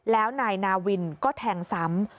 แล้วนายนาวินก็แทงซ้ำ